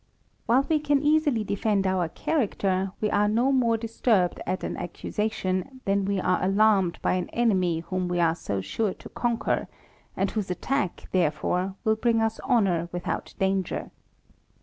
While we can easily defend our character, we are no more disturbed at an accusation, than we are alarmed by an enemy whom we are sure to conquer ; and whose attack, therefore, will bring us honour without danger.